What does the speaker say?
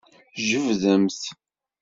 Jebdemt.